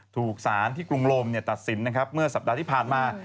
ถูกสารที่กรุงโลมตัดสินนะครับเมื่อสัปดาห์ที่ผ่านมา